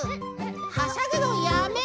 はしゃぐのやめ！